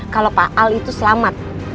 kalau pak al itu selamat